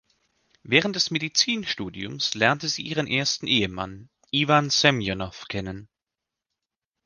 Während des Medizinstudiums lernte sie ihren ersten Ehemann, Iwan Semjonow, kennen.